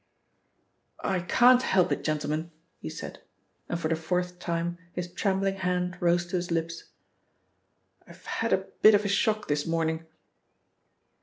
"I can't help it, gentlemen," he said, and for the fourth time his trembling hand rose to his lips. "I've had a bit of a shock this morning."